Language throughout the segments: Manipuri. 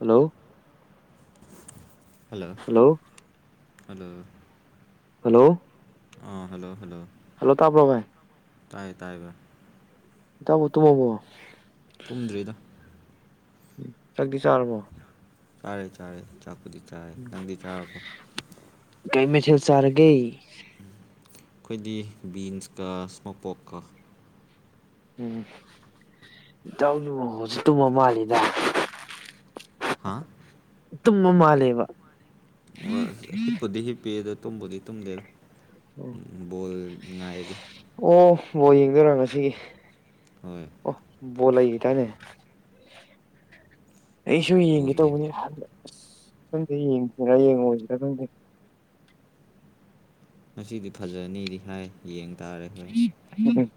hello hello hello hello hello ꯑꯥ ꯍꯜꯂꯣ ꯍꯜꯂꯣ ꯍꯜꯂꯣ ꯇꯥꯕ꯭ꯔꯣ ꯚꯥꯏ ꯇꯥꯏꯌꯦ ꯇꯥꯏꯌꯦ ꯚꯥꯢ ꯏꯇꯥꯢꯕꯨ ꯇꯨꯝꯃꯕꯣ ꯇꯨꯝꯗ꯭ꯔꯤꯗ ꯆꯥꯛꯇꯤ ꯆꯔꯕꯣ ꯆꯥꯔꯦ ꯆꯥꯔꯦ ꯆꯥꯛꯄꯨꯗꯤ ꯆꯥꯔꯦ ꯅꯪꯗꯤ ꯆꯔꯕꯣ ꯀꯩ ꯃꯊꯦꯜ ꯆꯥꯔꯒꯦ ꯑꯩꯈꯣꯏꯗꯤ ꯕꯤꯟꯁꯀ ꯏꯁꯃꯣꯛꯄꯣꯛꯀ ꯎꯝ ꯏꯇꯥꯎꯒꯤ ꯃꯈꯣꯟꯁꯦ ꯇꯨꯝꯃ ꯃꯥꯜꯂꯤꯗ ꯍꯥꯥ ꯇꯝꯃꯥ ꯃꯥꯂꯦꯕ ꯍꯤꯞꯄꯨꯗꯤ ꯍꯤꯞꯄꯤ ꯇꯨꯝꯕꯨꯗꯤ ꯇꯨꯝꯗꯦꯗ ꯎꯝ ꯕꯣꯜ ꯉꯥꯏꯔꯤ ꯑꯣ ꯕꯣꯜ ꯌꯦꯡꯗꯣꯏꯔꯥ ꯉꯁꯤ ꯍꯣꯏ ꯑꯣ ꯕꯣꯠ ꯂꯩꯔꯤꯗꯥꯢꯅꯦ ꯑꯩꯁꯨ ꯕꯣꯜ ꯌꯦꯡꯒꯦ ꯂꯩ ꯇꯧꯕꯅꯦ ꯑꯁ ꯈꯪꯗꯦ ꯌꯦꯡꯁꯤꯔꯥ ꯌꯦꯡꯉꯣꯏꯁꯤꯔꯥ ꯈꯪꯗꯦ ꯉꯁꯤꯗꯤ ꯐꯖꯅꯤꯗꯤ ꯍꯥꯏ ꯌꯦꯡ ꯇꯥꯔꯦ ꯍꯣꯏ ꯎꯝ [inaudible]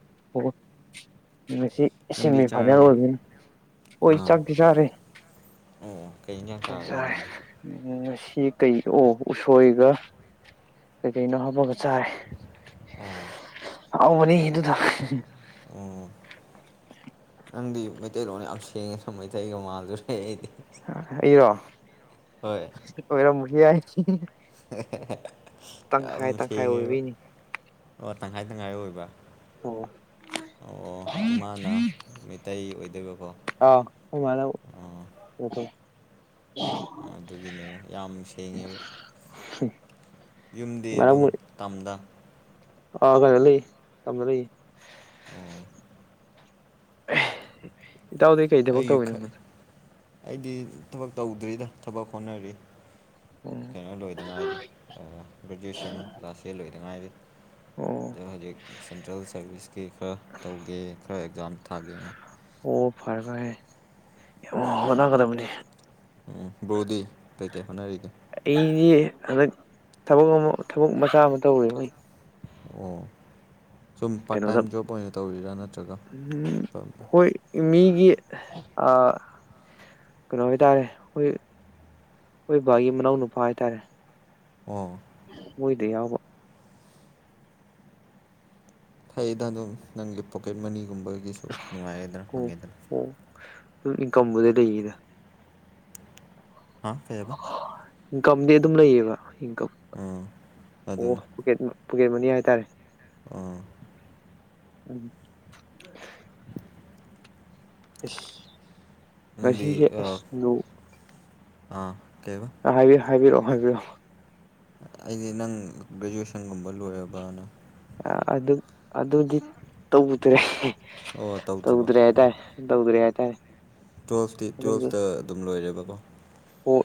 ꯃꯁꯤ ꯅꯪꯗꯤ ꯁꯦꯃꯤꯐꯥꯏꯅꯦꯜ ꯆꯥꯔꯕꯣ ꯑꯣꯏꯕꯅꯤ ꯍꯣꯏ ꯑꯥ ꯆꯥꯛꯇꯤ ꯆꯥꯔꯦ ꯑꯣ ꯑꯣ ꯀꯩ ꯌꯦꯟꯁꯥꯡ ꯆꯥꯔꯒꯦ ꯐꯖꯔꯦ ꯅꯪꯗꯤ ꯉꯁꯤ ꯀꯩ ꯑꯣ ꯎꯁꯣꯏꯒ ꯀꯩꯀꯩꯅꯣ ꯍꯥꯞꯄꯒ ꯆꯥꯔꯦ ꯑꯣ ꯍꯥꯎꯕꯅꯤ ꯑꯗꯨꯗꯣ ꯑꯣ [inaudible] ꯅꯪꯗꯤ ꯃꯩꯇꯩꯂꯣꯟ ꯌꯥꯝ ꯁꯦꯡꯉꯦ ꯃꯩꯇꯩꯒ ꯃꯥꯜꯂꯨꯔꯦ ꯑꯩꯗꯤ ꯑꯩꯔꯣ ꯍꯣꯏ ꯑꯣꯏꯔꯝꯕꯁꯨ ꯌꯥꯢ ꯌꯥꯝ ꯇꯪꯈꯥꯏ ꯁꯦꯡꯉꯦꯕ ꯑꯣꯏꯕꯩꯅꯤ ꯑꯣ ꯇꯪꯈꯥꯏ ꯇꯪꯈꯥꯏ ꯑꯣꯏꯕ ꯑꯣ ꯑꯣ ꯑꯥ ꯏꯃꯥꯅ ꯃꯩꯇꯩ ꯑꯣꯏꯗꯣꯏꯕꯀꯣ ꯑꯥ ꯈꯣꯢ ꯃꯥꯅ ꯑꯣ [unintelligible] ꯑꯗꯨꯒꯤꯅꯦꯕ ꯌꯥꯝ ꯁꯦꯡꯉꯦꯕ ꯌꯨꯝꯗꯤ ꯑꯗꯨꯝ ꯃꯔꯛ ꯇꯝꯗ ꯑꯥ ꯀꯩꯅꯣ ꯂꯩꯌꯦ ꯇꯝꯗ ꯂꯩꯌꯦ ꯑꯣ ꯏꯇꯥꯎꯗꯤ ꯀꯩ ꯊꯕꯛ ꯑꯩꯁꯨ ꯇꯧꯋꯤꯅꯣ ꯎꯝ ꯈꯛ ꯑꯩꯗꯤ ꯊꯕꯛ ꯇꯧꯗ꯭ꯔꯤꯗ ꯊꯕꯛ ꯍꯣꯠꯅꯔꯤ ꯀꯩꯅꯣ ꯂꯣꯏꯗ ꯉꯥꯏꯔꯤ ꯒ꯭ꯔꯦꯖꯨꯋꯦꯁꯟ ꯂꯥꯁ ꯌꯤꯢꯔ ꯂꯣꯏꯗ ꯉꯥꯏꯔꯤ ꯑꯣ ꯑꯗꯨꯅ ꯍꯧꯖꯤꯛ ꯁꯦꯟꯇ꯭ꯔꯦꯜ ꯁꯥꯔꯚꯤꯁꯀꯤ ꯈꯔ ꯇꯧꯒꯦ ꯈꯔ ꯑꯦꯛꯖꯥꯝ ꯊꯥꯒꯦꯅ ꯑꯣ ꯐꯔꯦ ꯐꯔꯦ ꯍꯣꯠꯅꯒꯗꯕꯅꯤ ꯎꯝ ꯕ꯭ꯔꯣꯗꯤ ꯀꯩꯀꯩ ꯍꯣꯠꯅꯔꯤꯒꯦ ꯑꯩꯗꯤ ꯍꯟꯗꯛ ꯊꯕꯛ ꯑꯃ ꯊꯕꯛ ꯃꯆꯥ ꯑꯃ ꯇꯧꯔꯦ ꯑꯣ ꯁꯨꯝ ꯄꯥꯠ ꯀꯩꯅꯣꯗ ꯇꯥꯏꯝ ꯖꯣꯕ ꯑꯣꯏꯅ ꯇꯧꯔꯤꯔꯥ ꯅꯠꯇ꯭ꯔꯒ ꯎꯝ ꯊ ꯍꯣꯏ ꯃꯤꯒꯤ ꯑꯥ ꯀꯩꯅꯣ ꯍꯣꯢꯇꯥꯔꯦ ꯑꯩꯈꯣꯏ ꯑꯩꯈꯣꯏ ꯕꯥꯒꯤ ꯃꯅꯥꯎ ꯅꯨꯄꯥ ꯍꯥꯏꯇꯥꯔꯦ ꯑꯣ ꯃꯣꯢꯗ ꯌꯥꯎꯕ ꯐꯩꯗ ꯑꯗꯨꯝ ꯅꯪꯒꯤ ꯄꯣꯀꯦꯠ ꯃꯅꯤꯒꯨꯝꯕꯒꯤꯁꯨ ꯅꯨꯡꯉꯥꯏꯔꯦꯗꯅ ꯑꯣ ꯐꯪꯉꯦꯗꯅ ꯑꯣ ꯑꯗꯨꯝ ꯢꯟꯀꯝꯕꯨꯗꯤ ꯂꯩꯗ ꯍꯥꯥ ꯀꯩꯑꯕ ꯏꯟꯀꯝꯗꯤ ꯑꯗꯨꯝ ꯂꯩꯌꯦꯕ ꯏꯟꯀꯝ ꯑꯥ ꯑꯣ ꯑꯗꯨꯅꯦ ꯄꯣꯀꯦꯠ ꯃ ꯄꯣꯀꯦꯠ ꯃꯅꯤ ꯍꯥꯏꯇꯥꯔꯦ ꯑꯣ ꯎꯝ ꯢꯁ ꯅꯪꯗꯤ ꯉꯁꯤꯁꯦ ꯑꯥ ꯑꯁ ꯅꯣ ꯑꯥ ꯀꯩꯕ ꯍꯥꯏꯕꯤ ꯍꯥꯏꯕꯤꯔꯛꯑꯣ ꯍꯥꯏꯕꯤꯔꯛꯑꯣ ꯑꯩꯗꯤ ꯅꯪ ꯒ꯭ꯔꯦꯖꯨꯦꯁꯟꯒꯨꯝꯕ ꯂꯣꯏꯔꯕꯅ ꯑꯗꯨ ꯑꯗꯨꯗꯤ ꯇꯧꯗ꯭ꯔꯦ ꯑꯣ ꯇꯧꯗ꯭ꯔꯕ ꯇꯧꯗ꯭ꯔꯦ ꯍꯥꯏꯇꯥꯔꯦ ꯇꯧꯗ꯭ꯔꯦ ꯍꯥꯏꯇꯥꯔꯦ ꯇꯨꯋꯦꯜꯐꯇꯤ ꯇꯨꯋꯜꯐꯇ ꯑꯗꯨꯝ ꯂꯣꯏꯔꯦꯕꯀꯣ ꯑꯣ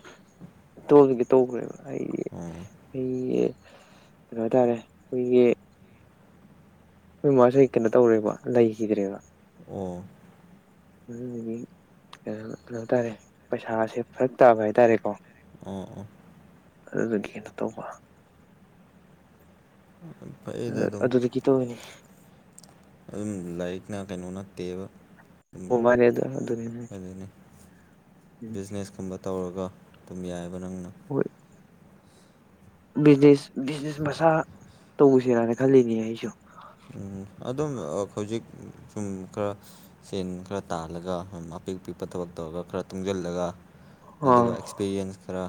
ꯇꯧꯋꯦꯄꯇꯒꯤ ꯇꯧꯈ꯭ꯔꯦꯕ ꯑꯩ ꯑꯣ ꯑꯩ ꯀꯩꯅꯣ ꯍꯥꯏꯇꯥꯔꯦ ꯑꯩꯈꯣꯏꯒꯤ ꯑꯈꯣꯢ ꯃꯥꯖꯦ ꯀꯩꯅꯣ ꯇꯧꯔꯦꯕ ꯂꯩꯈꯤꯗ꯭ꯔꯦꯕ ꯑꯣ... ꯑꯗꯨꯗꯨꯒꯤ ꯀꯩꯅꯣ ꯍꯥꯏꯇꯥꯔꯦ ꯄꯩꯁꯥꯁꯦ ꯐꯔꯛ ꯇꯥꯕ ꯍꯥꯏꯇꯥꯔꯦꯀꯣ ꯑꯣ ꯑꯣ ꯑꯗꯨꯗꯨꯒꯤ ꯀꯩꯅꯣ ꯇꯧꯕ ꯐꯩꯗ ꯑꯗꯨꯝ ꯑꯗꯨꯗꯒꯤ ꯇꯧꯋꯤꯅꯦ ꯑꯗꯨꯝ ꯂꯥꯏꯔꯤꯛꯅ ꯀꯩꯅꯣ ꯅꯠꯇꯦꯕ ꯎꯝ ꯑꯣ ꯃꯥꯅꯦ ꯑꯗꯨ ꯑꯗꯨꯅꯤ ꯑꯗꯨꯅꯦ ꯕꯤꯖꯤꯅꯦꯁꯀꯨꯝꯕ ꯇꯧꯔꯒ ꯑꯗꯨꯝ ꯌꯥꯏꯑꯦꯕ ꯅꯪꯅ ꯍꯣꯏ ꯕꯤꯖꯤꯁ ꯕꯤꯖꯤꯅꯦꯁ ꯃꯁꯥ ꯇꯧꯁꯤꯔꯅ ꯈꯜꯂꯤꯅꯦ ꯑꯩꯁꯨ ꯎꯝ ꯑꯗꯨꯝ ꯍꯧꯖꯤꯛ ꯁꯨꯝ ꯈꯔ ꯁꯦꯟ ꯈꯔ ꯇꯥꯜꯂꯒ ꯑꯄꯤꯛ ꯑꯄꯤꯛꯄ ꯊꯕꯛ ꯇꯧꯔꯒ ꯈꯔ ꯇꯨꯡꯖꯜꯂꯒ ꯑꯗꯨꯒ ꯑꯥ ꯑꯦꯛꯁꯄꯤꯔꯤꯌꯦꯟꯁ ꯈꯔ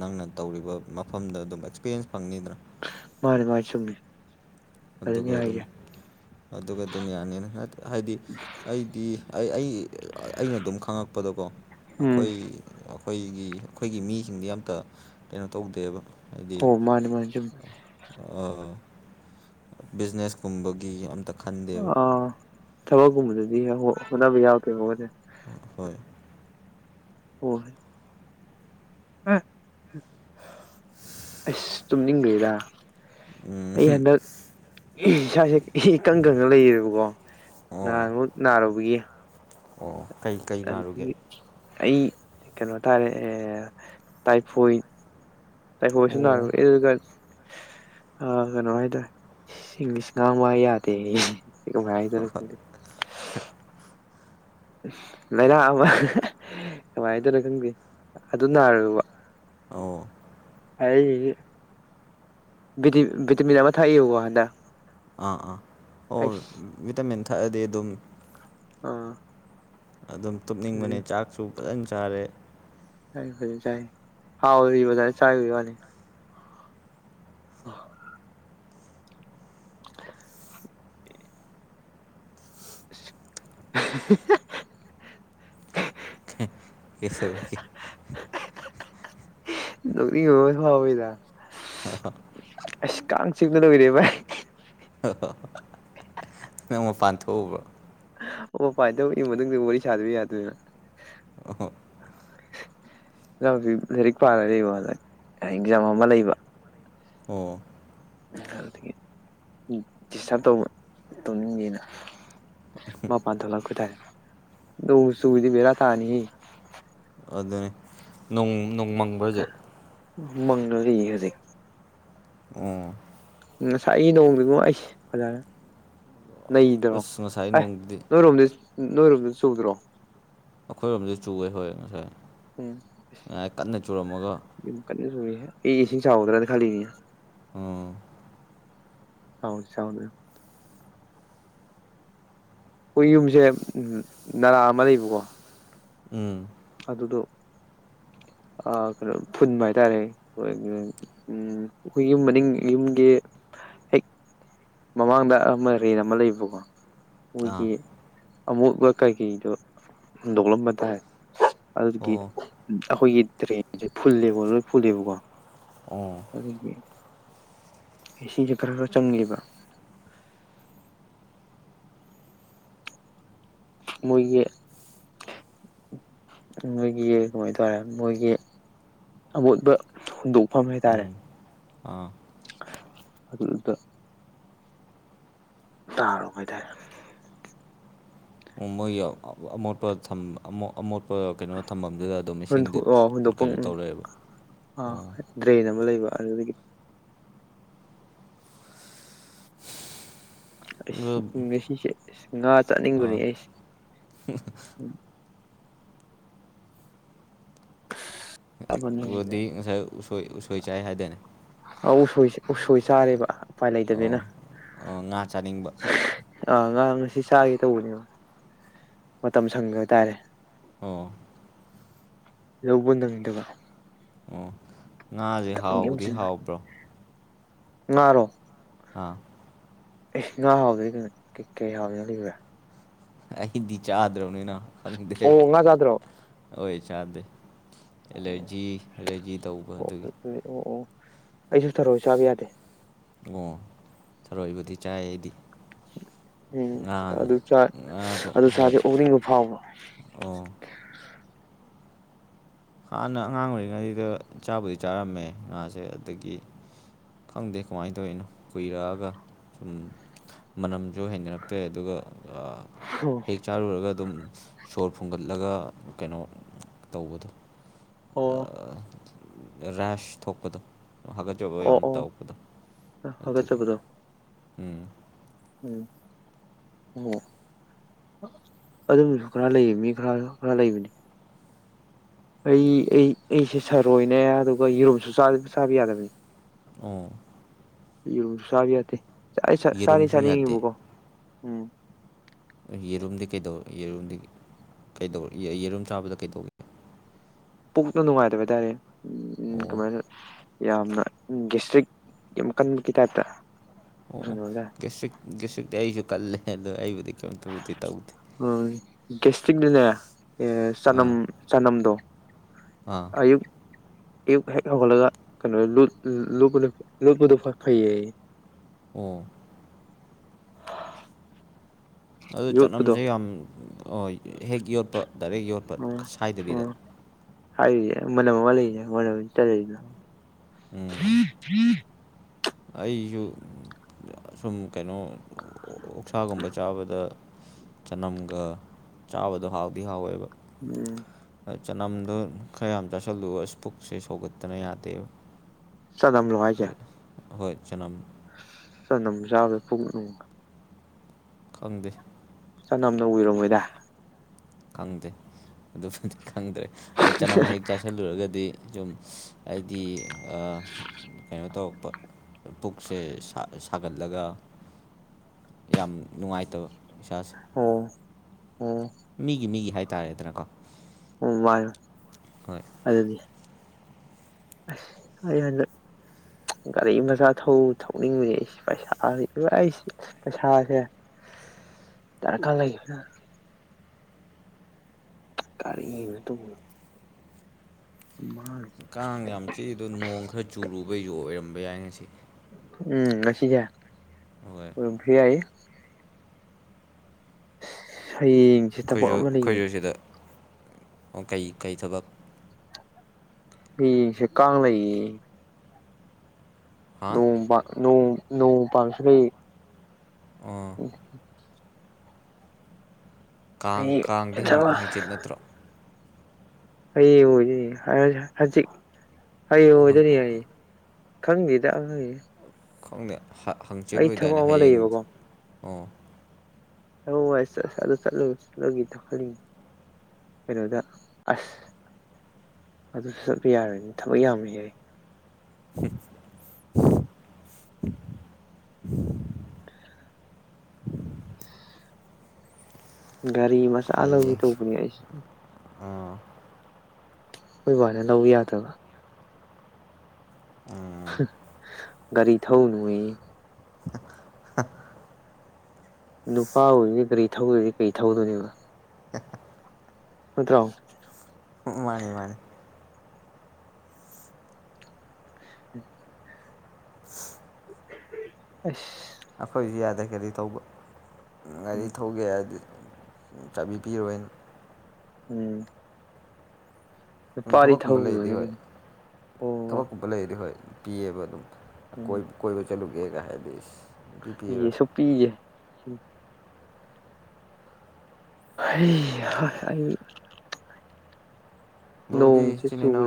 ꯅꯪꯅ ꯇꯧꯔꯤꯕ ꯃꯐꯝꯗ ꯑꯗꯨꯝ ꯑꯦꯛꯁꯄꯤꯔꯤꯟꯁ ꯐꯪꯅꯤꯗꯅ ꯃꯥꯅꯦ ꯃꯥꯥ ꯆꯨꯝꯃꯦ ꯑꯗꯨꯅꯤ ꯑꯗꯨꯒ ꯑꯗꯨꯝ ꯍꯥꯏꯁꯦ ꯑꯗꯨꯒ ꯑꯗꯨꯝ ꯌꯥꯅꯤꯅ ꯍꯥꯏꯗꯤ ꯑꯩꯗꯤ ꯑꯩ ꯑꯩ ꯑꯩꯅ ꯑꯗꯨꯝ ꯈꯪꯉꯛꯄꯗꯀꯣ ꯎꯝ ꯑꯈꯣꯏ ꯑꯈꯣꯏꯒꯤ ꯑꯈꯣꯏꯒꯤ ꯃꯤꯁꯤꯡꯗꯤ ꯑꯝ ꯀꯩꯅꯣ ꯇꯧꯗꯦꯕ ꯍꯣ ꯃꯥꯅꯦ ꯃꯥꯅꯦ ꯆꯨꯝꯃꯦ ꯑꯥ... ꯕꯤꯖꯤꯅꯦꯁ ꯀꯨꯝꯕꯒꯤ ꯑꯝꯇ ꯈꯟꯗꯦꯕ ꯑ ꯊꯕꯛꯀꯨꯝꯕꯗꯨꯗꯤ ꯍꯣꯠꯅꯕ ꯌꯥꯎꯔꯕ [unintelligible] ꯑꯍꯣꯏ [unintelligible] ꯑꯁ ꯇꯨꯝꯅꯤꯡꯒ꯭ꯔꯦꯗ ꯑꯩ ꯍꯟꯗꯛ ꯏꯁꯥꯖꯦ ꯏꯀꯪ ꯀꯪꯉ ꯂꯩꯦꯕꯀꯣ ꯑꯣ ꯅꯍꯥꯟꯃꯨꯛ ꯅꯥꯔꯨꯕꯒꯤ ꯑꯣ ꯀꯩ ꯀꯩ ꯅꯥꯔꯨꯒꯦ ꯑꯗꯨꯒꯤ ꯑꯩ ꯀꯩꯅꯣ ꯇꯥꯔꯦ ꯇꯥꯏꯐꯣꯏꯠ ꯑꯣ [unintelligible] ꯑ ꯀꯩꯅꯣ ꯍꯥꯏꯗꯣꯔꯦ ꯏꯪꯂꯤꯁ ꯉꯥꯡꯕ ꯌꯥꯗꯦ [unintelligible] ꯂꯩꯅꯥ ꯑꯃ ꯀꯃꯥꯏꯗꯣꯏꯅꯣ ꯈꯪꯗꯦ ꯑꯗꯨ ꯅꯥꯔꯨꯕ ꯑꯧ [unintelligible] ꯕꯤꯗꯤ ꯕꯤꯇꯃꯤꯟ ꯑꯃ ꯊꯥꯛꯏꯀꯣ ꯍꯟꯗꯛ ꯑꯥ ꯑꯥ ꯑꯣ ꯑꯩꯁ ꯚꯤꯇꯥꯃꯤꯟ ꯊꯛꯑꯗꯤ ꯑꯗꯨꯝ ꯑꯥ ꯑꯗꯨꯝ ꯇꯨꯞꯅꯤꯡꯕꯅꯦ ꯎꯝ ꯆꯥꯛꯁꯨ ꯐꯖꯅ ꯆꯥꯔꯦ ꯆꯥꯏ ꯐꯖꯟ ꯆꯥꯢ [unintelligible] ꯆꯥꯒꯤꯕꯩ ꯋꯥꯅꯤ [inaudible] [unintelligible] ꯀꯩꯁꯧꯔꯒꯦ ꯅꯨꯛꯅꯤꯡꯕ ꯐꯥꯎꯋꯤꯗ ꯑꯦꯁ ꯀꯥꯡ ꯆꯤꯛꯄꯗ ꯂꯣꯢꯔꯦ ꯚꯥꯏ ꯑꯣ ꯅꯪ ꯃꯄꯥꯟ ꯊꯣꯛꯎꯕ꯭ꯔꯣ [unintelligible] ꯑꯣꯍꯣ ꯢꯅꯥꯎꯖꯨ ꯂꯥꯢꯔꯤꯛ ꯄꯥꯅꯔꯤ ꯑꯦꯛꯖꯥꯝ ꯑꯃ ꯂꯩꯕ ꯑꯣ ꯑꯗꯨꯗꯒꯤ ꯗꯤꯁꯇꯔꯕ ꯇꯧꯕ ꯇꯧꯅꯤꯡꯗꯦꯅ ꯃꯥꯄꯥꯟ ꯊꯣꯛꯂꯛꯄꯇꯥꯏ ꯅꯣꯡꯆꯨꯔꯗꯤ ꯕꯦꯔꯥ ꯇꯥꯅꯤ ꯑꯗꯨꯅꯦ ꯅꯣꯡ ꯅꯣꯡ ꯃꯪ ꯃꯪꯂ ꯂꯩꯌꯦ ꯍꯧꯖꯤꯛ ꯑꯣ ꯉꯁꯥꯏꯒꯤ ꯅꯣꯡꯗꯤꯉꯣ ꯑꯩꯁ ꯐꯖꯔꯦ ꯅꯩꯗ꯭ꯔꯣ ꯑꯁ ꯉꯁꯥꯏ ꯑꯦ ꯅꯣꯡꯗꯤ ꯅꯣꯏꯔꯣꯝꯗ ꯅꯣꯏꯔꯣꯝꯗ ꯆꯨꯗ꯭ꯔꯣ ꯑꯩꯈꯣꯏꯔꯣꯝꯗ ꯆꯨꯋꯦ ꯍꯣꯏ ꯉꯁꯥꯏ ꯉꯥꯏ ꯀꯟꯅ ꯆꯨꯔꯝꯃꯒ ꯌꯥꯝ ꯀꯟꯅ ꯆꯨꯔꯤꯍꯦ ꯑꯩ ꯏꯁꯤꯡ ꯆꯥꯎꯒꯗ꯭ꯔꯥꯅ ꯈꯜꯂꯤꯅꯤ ꯑꯣ [unintelligible] ꯑꯩꯈꯣꯏ ꯌꯨꯝꯖꯦ ꯅꯂꯥ ꯑꯃ ꯂꯩꯕꯀꯣ ꯎꯝ ꯑꯗꯨꯗꯣ ꯑ ꯀꯩꯅꯣ ꯐꯨꯟꯕ ꯍꯥꯏꯇꯥꯔꯦ ꯍꯣꯏ ꯎꯝ ꯑꯩꯈꯣꯏ ꯌꯨꯝ ꯃꯅꯤꯡ ꯌꯨꯝꯒꯤ ꯍꯦꯛ ꯃꯃꯥꯡꯗ ꯑꯃ ꯔꯦꯟ ꯑꯃ ꯂꯩꯕꯀꯣ ꯑꯥ ꯑꯩꯈꯣꯏꯒꯤ ꯑꯃꯣꯠꯕ ꯀꯩꯀꯩꯗꯣ ꯍꯨꯟꯗꯣꯛꯂꯝꯕ ꯇꯥꯏ ꯑꯗꯨꯒꯤ ꯑꯣ ꯑꯩꯈꯣꯏꯒꯤ ꯇ꯭ꯔꯦꯟꯖꯦ ꯐꯨꯜꯂꯦꯕ ꯂꯣꯏ ꯐꯨꯜꯂꯦꯕꯀꯣ ꯎꯝ ꯑꯗꯨꯒꯤ ꯏꯁꯤꯡꯁꯦ ꯈꯔ ꯈꯔ ꯆꯪꯒꯤꯕ ꯃꯣꯏꯒꯤ ꯅꯣꯏꯒꯤ ꯀꯃꯥꯏ ꯇꯧꯔꯦ ꯃꯣꯏꯒꯤ ꯑꯃꯣꯠꯄ ꯍꯣꯡꯟꯗꯣꯛ ꯐꯝ ꯍꯥꯏꯇꯥꯔꯦ ꯎꯝ ꯑꯥ ꯑꯗꯨꯗ ꯇꯥꯔꯣ ꯕꯔꯥꯗꯔ ꯃꯣꯏ ꯑꯃꯣꯠꯄ ꯊꯝꯕ ꯑꯃꯣ ꯑꯃꯣꯠꯄ ꯀꯩꯅꯣ ꯊꯝꯚꯝꯗꯨꯗ ꯑꯗꯨꯝ ꯏꯁꯤꯡꯗ ꯑꯣ ꯍꯨꯟꯗꯣꯛꯐꯝ ꯀꯩꯅꯣ ꯎꯝ ꯇꯧ ꯂꯩꯔꯦꯕ ꯑꯥ ꯑꯣ ꯗ꯭ꯔꯦꯟ ꯑꯃ ꯂꯩꯕ ꯑꯗꯨꯗꯒꯤ ꯑꯁ ꯑꯗꯨ ꯉꯁꯤꯁꯦ ꯑꯁ ꯉꯥ ꯆꯥꯅꯤꯡꯕꯅꯤ ꯑꯥ ꯑꯩꯁ [unintelligible] ꯅꯪꯗ꯭ꯔꯦ ꯗꯤ ꯎꯁꯣꯏ ꯎ ꯎꯁꯣꯏ ꯆꯥꯏ ꯍꯥꯏꯗꯅ ꯑꯧ ꯎꯁ ꯎꯁꯣꯏ ꯆꯥꯔꯦꯕ ꯎꯄꯥꯏ ꯂꯩꯇꯕꯅꯤꯅ ꯑꯣ ꯑꯣ ꯉꯥ ꯆꯥꯅꯤꯡꯕ ꯑꯥ ꯉꯥ ꯉꯁꯤ ꯆꯥꯒꯦ ꯇꯧꯕꯅꯦꯕ ꯃꯇꯝ ꯁꯪ ꯍꯥꯏꯇꯥꯔꯦ ꯑꯣ ꯂꯧꯕ ꯅꯪꯗꯕ ꯉꯥꯖꯦ ꯊꯕꯛ ꯌꯥꯝ ꯍꯥꯎꯕꯗꯤ ꯆꯤꯟ ꯍꯥꯎꯕ꯭ꯔꯣ ꯉꯥꯔꯣ ꯍꯥꯥ ꯑꯦ ꯉꯥ ꯍꯥꯎꯗꯗꯤ ꯀꯩ ꯀꯩ ꯍꯥꯎꯅ ꯂꯩꯕ꯭ꯔꯥ ꯑꯤꯗꯤ ꯆꯥꯗꯔꯥꯕꯅꯤꯅ ꯈ ꯈ ꯉꯒꯤ ꯗ ꯑꯣ ꯉꯥ ꯆꯥꯗ꯭ꯔꯣ ꯑꯣꯏ ꯆꯥꯗ ꯑꯦꯂꯔꯖꯤ ꯑꯦꯂꯔꯖꯤ ꯇꯧꯕ ꯑꯣ ꯑꯗꯨꯒꯤ ꯑꯣ ꯑꯣ ꯑꯩꯖꯨ ꯊꯔꯣꯢ ꯆꯥꯕ ꯌꯥꯗꯦ ꯑꯣ ꯊꯔꯣꯏꯕꯨꯗꯤ ꯆꯥꯏ ꯑꯩꯗꯤ ꯎꯝ ꯉꯥꯅ ꯑꯗꯨ ꯉꯥꯗ ꯑꯗꯨ ꯁꯥꯥꯁꯦ ꯍꯣꯏ ꯎꯅꯤꯡꯕ ꯐꯥꯎꯕ ꯑꯣ ꯍꯥꯟꯅ ꯑꯉꯥꯡ ꯑꯣꯏꯔꯤꯉꯩꯗꯨꯗ ꯆꯥꯕꯨꯗꯤ ꯆꯥꯔꯝꯃꯦ ꯉꯥꯁꯦ ꯑꯗꯒꯤ ꯈꯪꯗꯦ ꯀꯃꯥꯏꯅ ꯇꯧꯔꯤꯅꯣ ꯀꯨꯏꯔꯛꯑꯒ ꯎꯝ ꯃꯅꯝꯖꯨ ꯍꯩꯅꯔꯛꯇꯦ ꯑꯗꯨꯒ ꯍꯦꯛ ꯆꯥꯔꯨꯔꯒ ꯑꯗꯨꯝ ꯁꯣꯔ ꯐꯨꯟꯒꯠꯂꯒ ꯀꯩꯅꯣ ꯇꯧꯕꯗꯣ ꯑꯣ ꯔꯦꯁ ꯊꯣꯛꯄꯗꯣ ꯍꯥꯒꯠ ꯕ ꯑꯣ ꯌꯥꯝ ꯑꯣ ꯑꯣ ꯇꯧꯕꯗꯣ ꯑꯗꯨꯒꯤ ꯍꯥꯒꯠꯆꯕꯗꯣ ꯎꯝ ꯎꯝ ꯑꯣ ꯑꯗꯨꯝꯁꯨ ꯈꯔ ꯂꯩꯌꯦ ꯃꯤ ꯈꯔ ꯈꯔ ꯂꯩꯕꯅꯤ ꯑꯩ ꯑꯩ ꯑꯩꯁꯦ ꯁꯔꯣꯏꯅꯦ ꯑꯗꯨꯒ ꯌꯦꯔꯨꯝꯁꯨ ꯆꯥꯕ ꯌꯥꯗꯕꯕꯤꯅꯤ ꯑꯣ ꯌꯨ ꯆꯥꯒꯦ ꯌꯥꯗꯦ ꯆꯥꯗꯤ ꯌꯦꯔꯨꯝꯁꯨ ꯌꯥꯗꯦ ꯆꯥꯅꯤꯡꯉꯤꯕꯀꯣ ꯎꯝ ꯌꯦꯔꯨꯝꯗꯤ ꯀꯩꯗꯧ ꯌꯦꯔꯨꯝꯗꯤ ꯀꯩꯗꯧ ꯌꯦꯔꯨꯝ ꯆꯥꯕꯗ ꯀꯩꯗꯧꯏ ꯄꯨꯛꯅ ꯅꯨꯡꯉꯥꯏꯇꯕ ꯍꯥꯏꯇꯥꯔꯦ ꯎꯪ ꯑꯣ ꯀꯃꯥꯏꯅ ꯌꯥꯝꯅ ꯎꯝ ꯒꯦꯁꯇ꯭ꯔꯤꯛꯀꯤ ꯌꯥꯝ ꯀꯟꯕꯒꯤ ꯇꯥꯏꯞꯇ ꯑꯣ ꯑꯣ ꯚ꯭ꯌꯥꯁꯇ꯭ꯔꯤꯛ ꯚ꯭ꯌꯥꯁꯇ꯭ꯔꯤꯛꯇꯤ ꯑꯩꯁꯨ ꯀꯜꯂꯦ ꯑꯗꯣ ꯑꯩꯕꯨꯗꯤ ꯀꯩꯝꯇꯕꯨꯗꯤ ꯇꯧꯗꯦ ꯎꯝ ꯒꯦꯁꯇꯤꯛ ꯅ ꯅꯦ ꯑꯦ ꯆꯅꯝ ꯑꯥ ꯆꯅꯝꯗꯣ ꯑꯥ ꯑꯌꯨꯛ ꯑꯌꯨ ꯍꯦꯛ ꯍꯧꯒꯠꯂꯒ ꯀꯩꯅꯣ ꯂꯨꯠꯄꯗꯣ ꯐꯩ ꯍꯥꯏ ꯌꯦ ꯑꯣ ꯑꯗꯨ ꯌꯣꯠꯄꯗꯣ ꯆꯅꯝꯁꯦ ꯌꯥꯝ ꯍꯦꯛ ꯌꯣꯠꯄ ꯗꯥꯏꯔꯦꯛ ꯌꯣꯠꯄ ꯁꯥꯏꯗꯕꯤꯗ ꯍꯥꯏꯔꯤ [unintelligible] ꯎꯝ ꯑꯩꯁꯨ ꯑꯥꯁꯨꯝ ꯀꯩꯅꯣ ꯑꯣꯛꯁꯥꯒꯨꯝꯕ ꯆꯥꯕꯗ ꯆꯅꯝꯒ ꯆꯥꯕꯗꯣ ꯍꯥꯎꯗꯤ ꯍꯥꯎꯋꯦꯕ ꯎꯝ ꯆꯅꯝꯗꯣ ꯈꯔ ꯌꯥꯝ ꯆꯥꯥꯁꯜꯂꯨ ꯑꯁ ꯄꯨꯛꯁꯨ ꯁꯧꯒꯠꯇꯅ ꯌꯥꯗꯦꯕ ꯆꯅꯝꯂꯣ ꯍꯥꯏꯁꯦ ꯍꯣꯏ ꯆꯅꯝ ꯆꯅꯝ ꯆꯥꯕꯗ [unintelligible] ꯈꯪꯗꯦ ꯆꯅꯝꯅ ꯑꯣꯏꯔꯝꯃꯣꯏꯗ ꯈꯪꯗꯦ ꯑꯗꯨꯕꯨꯗꯤ ꯈꯪꯗ꯭ꯔꯦ ꯆꯅꯝ ꯍꯦꯛ ꯆꯥꯥꯁꯜꯂꯨꯔꯒꯗꯤ ꯁꯨꯝ ꯑꯩꯗꯤ ꯀꯩꯅꯣ ꯇꯧꯔꯛꯄ ꯄꯨꯛꯁꯦ ꯁꯥ ꯁꯥꯒꯠꯂꯒ ꯌꯥꯝ ꯅꯨꯡꯉꯥꯏꯇꯕ ꯏꯁꯥꯁꯦ ꯑꯣ ꯑꯣ ꯃꯤꯒꯤ ꯃꯤꯒꯤ ꯍꯥꯏꯇꯥꯔꯦꯗꯅꯀꯣ ꯑꯣ ꯋꯥꯏ ꯌꯣ ꯍꯣꯏ ꯑꯗꯨꯗꯤ ꯑꯔꯅ [unintelligible] ꯒꯥꯔꯤ ꯃꯆꯥ ꯊꯧ ꯊꯧꯅꯤꯡꯕꯅꯦ ꯑꯩꯁꯤ ꯄꯩꯁꯥ [unintelligible] ꯄꯩꯁꯥꯁꯦ ꯗꯔꯀꯥꯔ ꯂꯩ ꯀꯔꯤꯅ [unintelligible] ꯀꯥꯡ ꯌꯥꯝ ꯆꯤꯛꯏꯗꯣ ꯅꯣꯡ ꯈꯔ ꯆꯨꯔꯨꯕꯩꯁꯨ ꯑꯣꯏꯔꯝꯕ ꯌꯥꯏ ꯉꯁꯤ ꯎꯝ ꯉꯁꯤꯁꯦ ꯍꯣꯏ ꯑꯣꯏ ꯔꯣꯡ ꯁꯤ ꯌꯥꯏ ꯍꯌꯦꯡ ꯑꯩꯈꯣꯏꯁꯨ ꯑꯩꯈꯣꯏꯁꯨ ꯁꯤꯗ ꯀꯩ ꯀꯩ ꯊꯕꯛ ꯍꯌꯦꯡ ꯁꯦ ꯀꯥꯡ ꯂꯩꯌꯦ ꯍꯥ ꯅꯣꯡ ꯕꯥ ꯅꯣꯡ ꯅꯣꯡ ꯄꯥꯟꯕ ꯁꯤꯀꯩ ꯑꯣ ꯎꯝ ꯀꯥꯡ ꯀꯥꯡꯗꯤ ꯍꯌꯦꯡ ꯍꯪꯆꯤꯠ ꯅꯠꯇ꯭ꯔꯣ ꯍꯌꯦꯡ ꯑꯣꯏꯗꯣꯏꯅꯤ ꯍꯥꯏ ꯍꯪꯆꯤꯠ ꯍꯌꯦꯡ ꯑꯣꯏꯗꯣꯏꯅꯤ ꯍꯥꯏꯌꯦ ꯈꯪꯗꯦꯗꯥ [unintelligible] ꯈꯪꯗꯦ ꯍꯪꯆꯤꯠ ꯑꯣꯏꯗꯥꯏꯅꯦ ꯑꯃ ꯍꯌꯦꯡ ꯂꯩꯌꯦꯕꯀꯣ ꯑꯣ ꯍꯧ ꯆ ꯆꯂꯒ ꯇ [unintelligible] ꯀꯩꯅꯣꯗ ꯑꯁ ꯑꯗꯨꯁꯨ ꯆꯠꯄ ꯌꯥꯔꯣꯏꯅꯦ ꯊꯕꯛ ꯌꯥꯝꯃꯦ ꯍꯦ [unintelligible] [inaudible] ꯒꯥꯔꯤ ꯃꯆꯥ ꯂꯧꯒꯦ ꯍꯌꯦꯡ ꯇꯧꯕꯅꯦ ꯑꯩꯁꯦ ꯑꯣ ꯍꯣꯏ ꯋꯥꯅ ꯂꯧꯕ ꯌꯥꯗꯕ ꯑꯥ ꯍꯥ ꯒꯥꯔꯤ ꯊꯧꯅꯨꯌꯦ [unintelligible] ꯅꯨꯄꯥ ꯑꯣꯏꯔꯗꯤ ꯒꯥꯔꯤ ꯊꯧꯗ꯭ꯔꯗꯤ ꯀꯔꯤ ꯊꯧꯗꯣꯔꯤꯕ ꯅꯠꯇ꯭ꯔꯣ ꯎꯝ ꯃꯥꯅꯤ ꯃꯥꯅꯤ [unintelligible] ꯑꯁ ꯑꯩꯈꯣꯏꯗꯤ ꯌꯥꯗꯦ ꯒꯔꯤ ꯇꯧꯕ ꯒꯔꯤ ꯎꯝ ꯊꯧꯒꯦ ꯑꯗꯨ ꯆꯥꯕꯤ ꯄꯤꯔꯣꯏꯅ ꯎꯝ ꯗꯨꯝ ꯅꯨꯄꯥꯗꯤ ꯊꯕꯛꯀꯨꯝꯕ ꯂꯩꯗꯤ ꯊꯧꯒꯗꯕꯅꯤ ꯍꯣꯏ ꯀꯩꯅꯣ ꯑꯣ ꯊꯕꯛꯀꯨꯝꯕ ꯂꯩꯔꯗꯤ ꯍꯣꯏ ꯄꯤꯌꯦꯕ ꯑꯗꯨꯝ ꯑꯀꯣꯏ ꯎꯝ ꯀꯣꯏꯕ ꯆꯠꯂꯨꯒꯦꯒ ꯍꯥꯏꯗꯤ ꯏꯁ ꯁꯨꯡꯄꯤ ꯄꯤꯔꯔꯣꯏ [unintelligible] [unintelligible] ꯑꯩ ꯕ꯭ꯔꯣꯗꯤ ꯅꯣꯡꯁꯦ ꯏꯆꯤꯟ ꯆꯨ ꯏꯅꯥꯎ